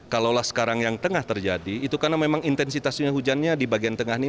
kalau lah sekarang yang tengah terjadi itu karena memang intensitas hujannya di bagian tengah ini